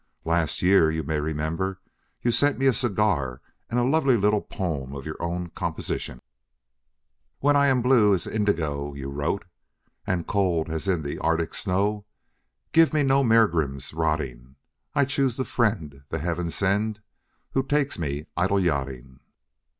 Last year, you may remember, you sent me a cigar and a lovely little poem of your own composition: "When I am blue as indigo, you wrote, And cold as is the Arctic snow, Give me no megrims rotting. I choose the friend The Heavens send Who takes me Idiyachting.